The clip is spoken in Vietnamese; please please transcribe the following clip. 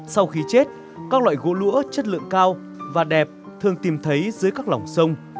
sau khi chết các loại gỗ lũa chất lượng cao và đẹp thường tìm thấy dưới các lỏng sông